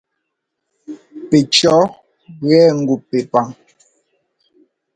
Pɛcʉ̈ jʉɛ ŋgup Pɛpaŋ.